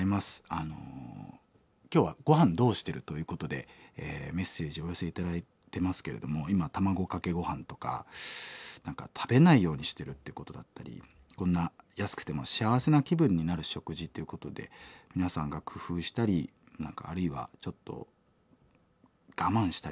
あの今日は「ごはんどうしてる？」ということでメッセージお寄せ頂いてますけれども今卵かけごはんとか何か食べないようにしてるってことだったりこんな安くても幸せな気分になる食事っていうことで皆さんが工夫したり何かあるいはちょっと我慢したりですね